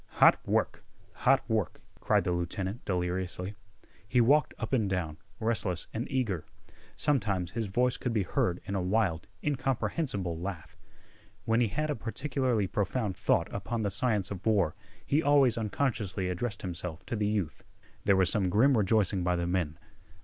"Hot work! Hot work!" cried the lieutenant deliriously. He walked up and down, restless and eager. Sometimes his voice could be heard in a wild, incomprehensible laugh. When he had a particularly profound thought upon the science of war he always unconsciously addressed himself to the youth. There was some grim rejoicing by the men.